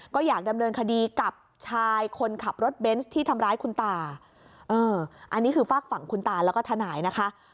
ก็อยากดำเนินคดีกับชายคนขับรถเบนส์ที่ทำร้ายคุณตาเอออันนี้คือฝากฝั่งคุณตาแล้วก็ทนายนะคะ